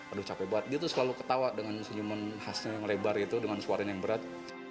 aduh capek buat dia tuh selalu ketawa dengan senyuman khasnya yang lebar itu dengan suara yang berat